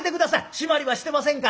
締まりはしてませんから。